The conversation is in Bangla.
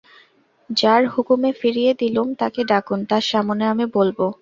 যাঁর হুকুমে ফিরিয়ে দিলুম তাঁকে ডাকুন, তাঁর সামনে আমি বলব।